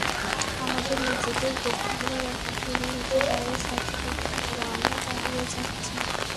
আমাদের নিজেদের রক্ষা করার একমাত্র উপায় হচ্ছে বাইরে সাহায্য প্রার্থনা করা আমরা বাহিরে যাচ্ছি!